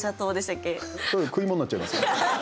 食い物になっちゃいますね。